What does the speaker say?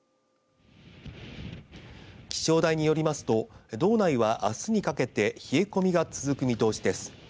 気象台によりますと道内はあすにかけて冷え込みが続く見通しです。